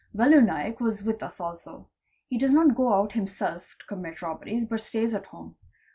Valu Naik was with us also. He does not go out himself to commit tobberies, but stays at home.